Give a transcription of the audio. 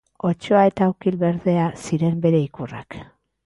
Otsoa eta okil berdea ziren bere ikurrak.